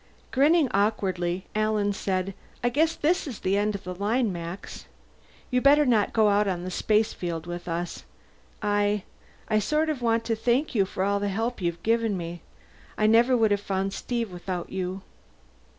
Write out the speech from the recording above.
Grinning awkwardly, Alan said, "I guess this is the end of the line, Max. You'd better not go out on the spacefield with us. I I sort of want to thank you for all the help you've given me. I never would have found Steve without you.